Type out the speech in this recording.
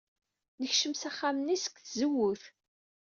Nekcem s axxam-nni seg tzewwut.